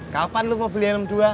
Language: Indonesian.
kapan lu mau beli helm dua